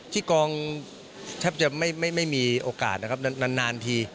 ที่กองแทบจะไม่มีโอกาสนะครับนานที